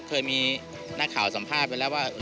เคยมีหน้าข่าวสัมภาพไปแล้วว่า